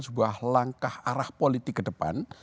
sebuah langkah arah politik ke depan